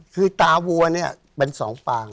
คือตาวัวเนี่ยเป็นสองปาง